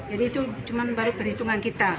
jadi itu cuma baru perhitungan kita